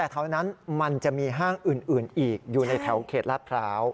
แถวนั้นมันจะมีห้างอื่นอีกอยู่ในแถวเขตลาดพร้าว